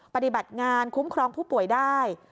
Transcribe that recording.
ปฏิบัติงานคุ้มครองผู้ป่วยได้